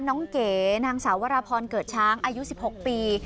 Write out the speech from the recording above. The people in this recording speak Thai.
เก๋นางสาววรพรเกิดช้างอายุ๑๖ปี